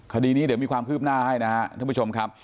คดีนี้เดี๋ยวมีความคืบหน้าให้นะครับท่านผู้ชมครับ